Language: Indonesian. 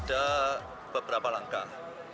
ada beberapa langkah